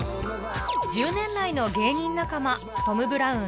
１０年来の芸人仲間「トム・ブラウン」